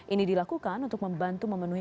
ini dilakukan untuk membantu memenuhi